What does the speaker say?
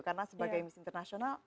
karena sebagai miss international